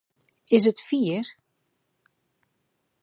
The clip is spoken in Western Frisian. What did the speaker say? Is it fier?